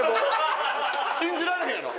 信じられへんやろ？